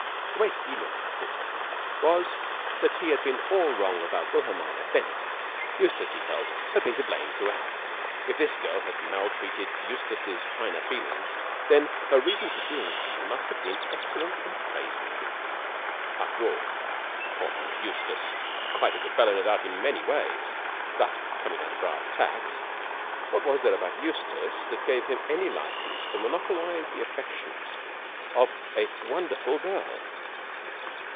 The way he looked at it was that he had been all wrong about Wilhelmina Bennett. Eustace, he felt, had been to blame throughout. If this girl had maltreated Eustace's finer feelings, then her reason for doing so must have been excellent and praiseworthy. After all ... poor old Eustace ... quite a good fellow, no doubt in many ways ... but, coming down to brass tacks, what was there about Eustace that gave him any license to monopolise the affections of a wonderful girl?